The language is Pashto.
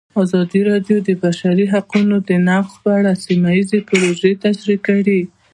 ازادي راډیو د د بشري حقونو نقض په اړه سیمه ییزې پروژې تشریح کړې.